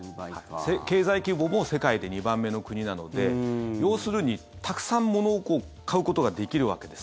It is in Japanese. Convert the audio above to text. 経済規模も世界で２番目の国なので要するに、たくさん物を買うことができるわけです。